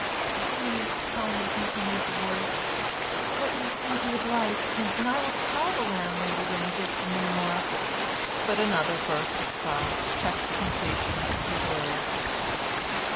"Please tell me," continued the voice, "what you think you would like, and I will tell the landlady when we get to Newmar—" but another burst of sobs checked the completion of the word.